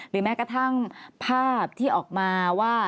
แม้กระทั่งภาพที่ออกมาว่า